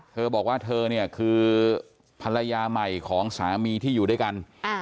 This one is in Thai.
เธอบอกว่าเธอเนี่ยคือภรรยาใหม่ของสามีที่อยู่ด้วยกัน